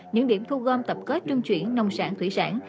những điểm thu gom tập kết trung chuyển nông sản thủy sản